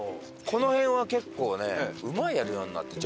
この辺は結構ね馬やるようになって。